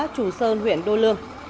chú sơn huyện đôi lương